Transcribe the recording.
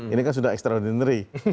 ini kan sudah extraordinary